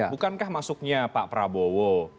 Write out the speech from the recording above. bukankah masuknya pak prabowo